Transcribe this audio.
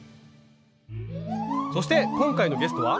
そして今回のゲストは。